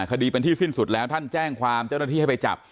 คดีเป็นที่สิ้นสุดแล้วท่านแจ้งความเจ้าหน้าที่ให้ไปจับ